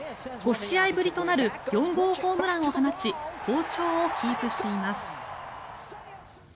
５試合ぶりとなる４号ホームランを放ち好調をキープしています。